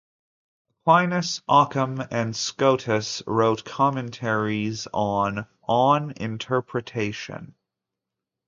Aquinas, Ockham and Scotus wrote commentaries on "On Interpretation".